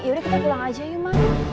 yaudah kita pulang aja yuk ma